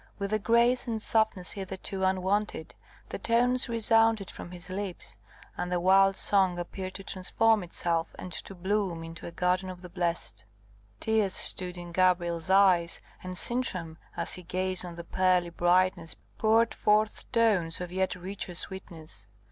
With a grace and softness hitherto unwonted, the tones resounded from his lips, and the wild song appeared to transform itself, and to bloom into a garden of the blessed. Tears stood in Gabrielle's eyes; and Sintram, as he gazed on the pearly brightness, poured forth tones of yet richer sweetness.